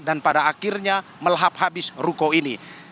dan pada akhirnya melahap habis ruko ini